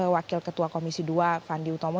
wakil ketua komisi dua fandi utomo